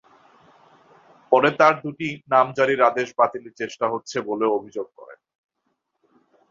পরে তাঁর দুটি নামজারির আদেশ বাতিলের চেষ্টা হচ্ছে বলেও অভিযোগ করেন।